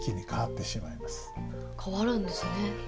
変わるんですね。